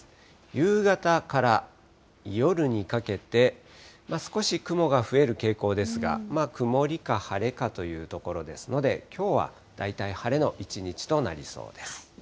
夕方から夜にかけて、少し雲が増える傾向ですが、曇りか晴れかというところですので、きょうは大体晴れの一日となりそうです。